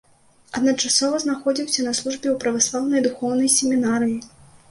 Адначасова знаходзіўся на службе ў праваслаўнай духоўнай семінарыі.